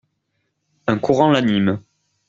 Un courant l'anime.